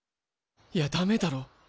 いやダメだろ！